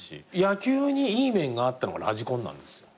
野球にいい面があったのはラジコンなんですよ。